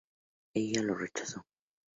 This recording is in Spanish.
Ella lo rechazó.